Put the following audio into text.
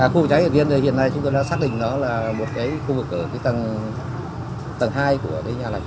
khu vụ cháy ở đây hiện nay chúng tôi đã xác định nó là một khu vực ở tầng hai của nhà lãnh